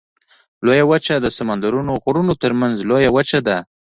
لویه وچه د سمندرونو غرونو ترمنځ لویه وچه ده.